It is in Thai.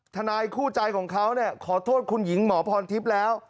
ทนายคู่ใจของเขาขอโทษคุณหญิงหมอพรทิพย์แล้ว